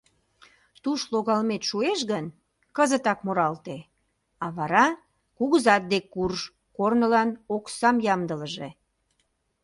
Туш логалмет шуэш гын, кызытак муралте, а вара кугызат дек курж, корнылан оксам ямдылыже.